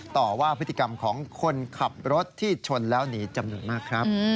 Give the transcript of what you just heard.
ต่อว่าพฤติกรรมของคนขับรถที่ชนแล้วหนีจำนวนมากครับ